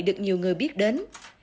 được nhiều người biết đến